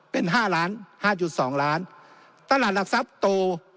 เป็น๕ล้าน๕๒ล้านตลาดหลักทรัพย์โต๒๓๐